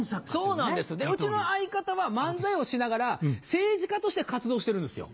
そうなんですでうちの相方は漫才をしながら政治家として活動してるんですよ。